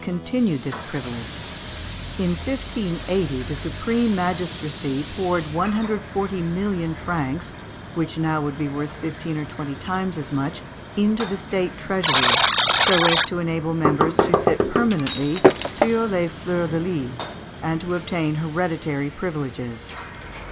continued this privilege. In 1580 the supreme magistracy poured 140,000,000 francs, which now would be worth fifteen or twenty times as much, into the State treasury, so as to enable members to sit permanently sur les fleurs de lis, and to obtain hereditary privileges.